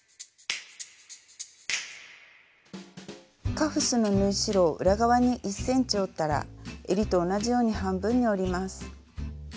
カフスの縫い代を裏側に１ｃｍ折ったらえりと同じように半分に折ります。